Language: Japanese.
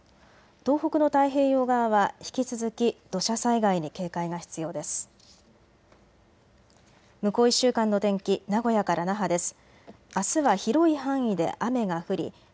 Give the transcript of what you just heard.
東北の太平洋側は引き続き土砂災害に警戒が必要です。